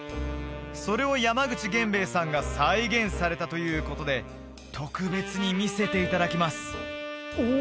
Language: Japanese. それを山口源兵衛さんが再現されたということで特別に見せていただきます